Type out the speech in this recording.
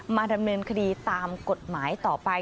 ดำเนินคดีตามกฎหมายต่อไป